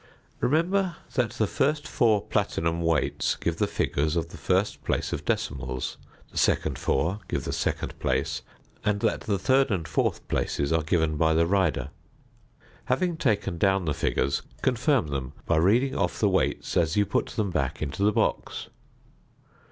Remember that the first four platinum weights give the figures of the first place of decimals, the second four give the second place, and that the third and fourth places are given by the rider. Having taken down the figures, confirm them by reading off the weights as you put them back into the box.